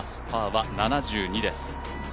パーは７２です。